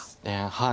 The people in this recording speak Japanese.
はい。